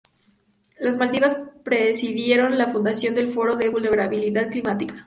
Las Maldivas presidieron la fundación del Foro de Vulnerabilidad Climática.